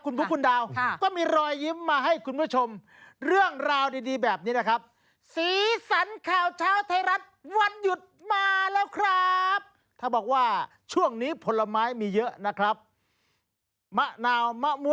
ขอบอกคำเดียวว่าฮะฮะ